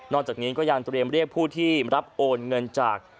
จากนี้ก็ยังเตรียมเรียกผู้ที่รับโอนเงินจาก